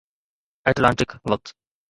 Atlantic وقت